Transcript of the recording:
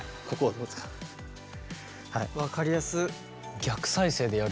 分かりやすっ。